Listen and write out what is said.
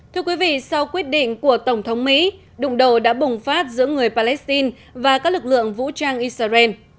thưa quý vị sau quyết định của tổng thống mỹ đụng độ đã bùng phát giữa người palestine và các lực lượng vũ trang israel